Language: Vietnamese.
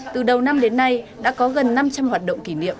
từ đầu năm đến nay đã có gần năm trăm linh hoạt động kỷ niệm